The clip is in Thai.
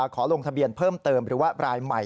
ขอลงทะเบียนเพิ่มเติมหรือว่ารายใหม่